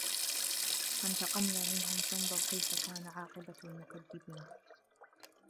فَانْتَقَمْنَا مِنْهُمْ فَانْظُرْ كَيْفَ كَانَ عَاقِبَةُ الْمُكَذِّبِينَ